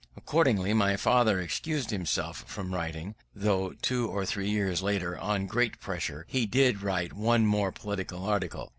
Accordingly my father excused himself from writing; though two or three years later, on great pressure, he did write one more political article.